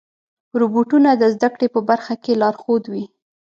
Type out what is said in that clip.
روبوټونه د زدهکړې په برخه کې لارښود وي.